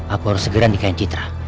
aku harus segera nikahin citra